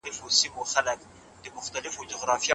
نړیوال عدالت د قانون د واکمنۍ لپاره اړین دی.